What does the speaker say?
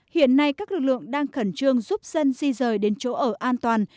hiện nay các lực lượng đang khẩn trương giúp dân di rời đến chỗ ở an toàn